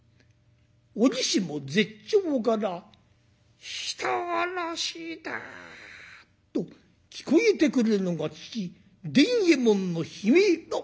折しも絶頂から「人殺しだ！」と聞こえてくるのが父伝右衛門の悲鳴だ。